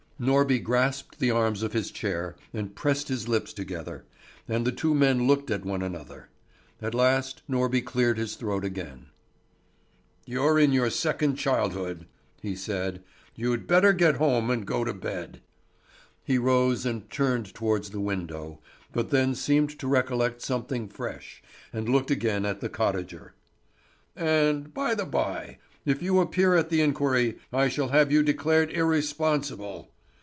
Norby grasped the arms of his chair and pressed his lips together, and the two men looked at one another. At last Norby cleared his throat again. "You're in your second childhood," he said. "You'd better get home and go to bed." He rose and turned towards the window, but then seemed to recollect something fresh, and looked again at the cottager. "And by the bye, if you appear at the inquiry I shall have you declared irresponsible.